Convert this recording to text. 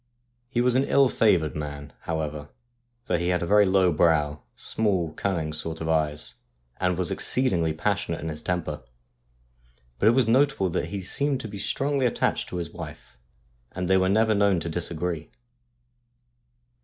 He was an ill favoured man, however, for he had a low brow, small, cunning sort of eyes, and was exceedingly passionate in his temper. But it was notable that he seemed to be strongly attached to his wife, and they were never known to disagree.